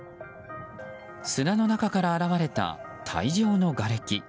砂の中から現れた大量のがれき。